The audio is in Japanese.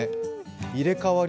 入れ代わり